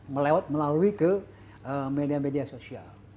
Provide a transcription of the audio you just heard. melewat melalui ke media media sosial